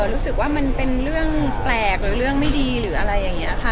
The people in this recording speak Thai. รู้สึกว่ามันเป็นเรื่องแปลกหรือเรื่องไม่ดีหรืออะไรอย่างนี้ค่ะ